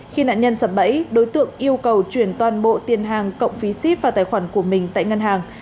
khi nạn nhân sập bẫy đối tượng yêu cầu chuyển toàn bộ tiền hàng cộng phí xếp vào tài khoản của mình tại ngân hàng